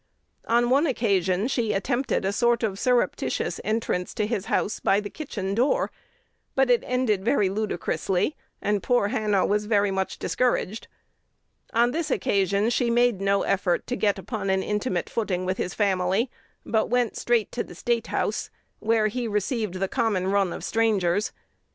On one occasion she attempted a sort of surreptitious entrance to his house by the kitchen door; but it ended very ludicrously, and poor Hannah was very much discouraged. On this occasion she made no effort to get upon an intimate footing with his family, but went straight to the State House, where he received the common run of strangers.